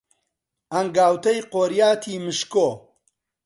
ئەنگاوتەی قۆریاتی مشکۆ،